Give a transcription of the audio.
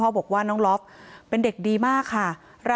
แต่มันถือปืนมันไม่รู้นะแต่ตอนหลังมันจะยิงอะไรหรือเปล่าเราก็ไม่รู้นะ